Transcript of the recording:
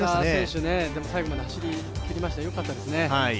でも、最後まで走りきりましたよかったですね。